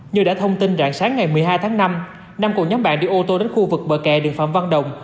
như đã thông tin rạng sáng ngày một mươi hai tháng năm nam cùng nhóm bạn đi ô tô đến khu vực bờ kè đường phạm văn đồng